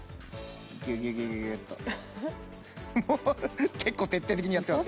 ギュギュギュギュギュッと結構徹底的にやってます